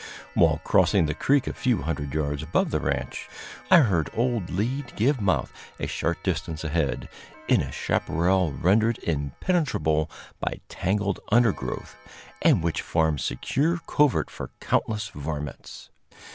While crossing the creek a few hundred yards above the ranch, I heard old Lead give mouth, a short distance ahead, in a chaparral rendered impenetrable by tangled undergrowth, and which formed secure covert for countless varmints.